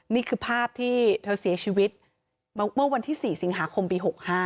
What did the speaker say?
นี่คือภาพที่เธอเสียชีวิตเมื่อวันที่๔สิงหาคมปี๖๕